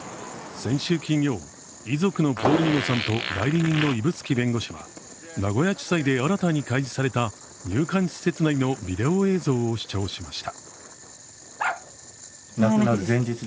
先週金曜、遺族のポールニマさんと代理人の指宿弁護士は名古屋地裁で新たに開示された入管施設内のビデオ映像を視聴しました。